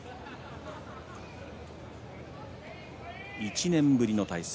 １年ぶりの対戦。